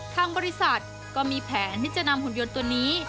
ทางบริษัทก็มีแผนที่จะนำหุ่นยนต์ตัวนี้